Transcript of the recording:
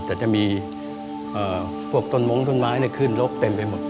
แต่จะมีแต่มีตนมองตนไม้เนี่ยขึ้นลกเต็มไปหมด